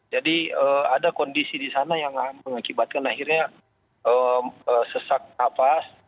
jadi ada kondisi di sana yang mengakibatkan akhirnya sesak kapas